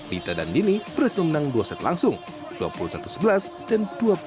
dita dan dini berhasil menang dua set langsung dua puluh satu sebelas dan dua puluh satu